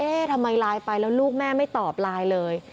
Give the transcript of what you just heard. ทำไมไลน์ไปแล้วลูกแม่ไม่ตอบไลน์เลย